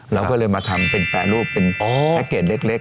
เราก็เลยมาทำเป็นแปรรูปเป็นแพ็คเกจเล็ก